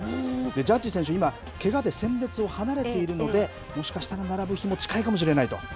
ジャッジ選手、今、けがで戦列を離れているので、もしかしたら並ぶ日も近いかもしれないと。